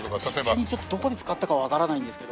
実際にちょっとどこで使ったかわからないんですけど。